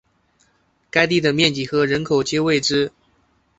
该地的面积和人口皆未知。